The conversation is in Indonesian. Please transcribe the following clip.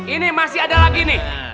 ini masih ada lagi nih